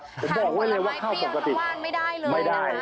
พยายะว่าลายเปรียบว่านไม่ได้